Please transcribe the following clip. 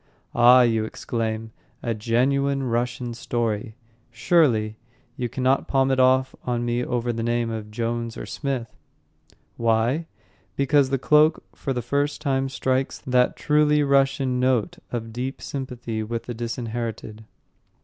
"Ah," you exclaim, "a genuine Russian story, Surely. You cannot palm it off on me over the name of Jones or Smith." Why? Because The Cloak for the first time strikes that truly Russian note of deep sympathy with the disinherited.